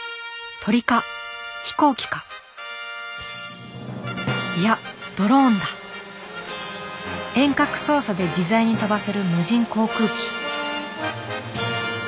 鳥か飛行機かいや遠隔操作で自在に飛ばせる無人航空機。